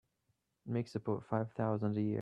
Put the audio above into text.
Makes about five thousand a year.